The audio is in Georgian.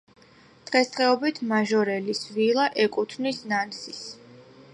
დღესდღეობით მაჟორელის ვილა ეკუთვნის ნანსის.